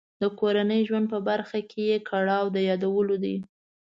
د کورني ژوند په برخه کې یې کړاو د یادولو دی.